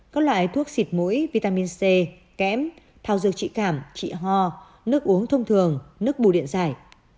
có loại thuốc xịt mũi vitamin c kém thao dược trị cảm trị ho nước uống thông thường nước bù điện giảm